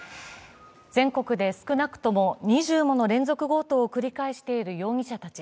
全国で少なくとも２０もの連続強盗を繰り返している容疑者たち。